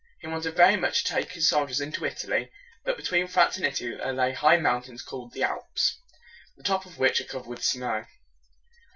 He wanted very much to take his soldiers into It a ly; but between France and Italy there are high mountains called the Alps, the tops of which are covered with snow.